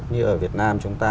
như ở việt nam chúng ta